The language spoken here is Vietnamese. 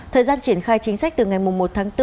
thời gian triển khai chính sách từ ngày một tháng bốn